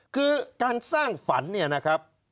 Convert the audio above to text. คือการสร้างฝันเนี่ยนะครับ